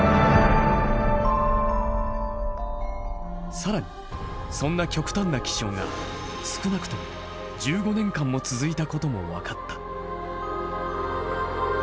更にそんな極端な気象が少なくとも１５年間も続いたことも分かった。